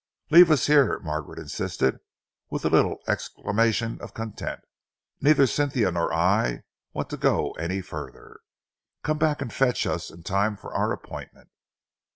"Leave us here," Margaret insisted, with a little exclamation of content. "Neither Cynthia nor I want to go any further. Come back and fetch us in time for our appointment."